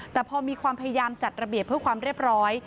แต่พอมีความพยายามจัดระเบียบเพื่อความเรียบร้อย